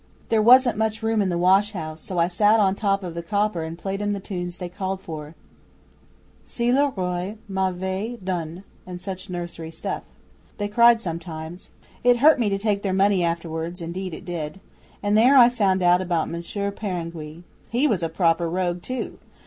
There wasn't much room in the washhouse, so I sat on top of the copper and played 'em the tunes they called for "Si le Roi m'avait donne," and such nursery stuff. They cried sometimes. It hurt me to take their money afterwards, indeed it did. And there I found out about Monsieur Peringuey. He was a proper rogue too!